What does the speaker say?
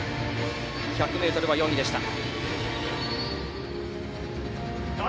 １００ｍは４位でした。